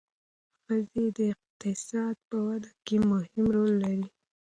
ښځې د اقتصاد په وده کې مهم رول لري.